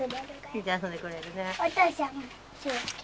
けいちゃん遊んでくれるね。